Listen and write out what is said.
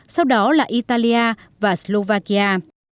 sau đó là italia và slovakia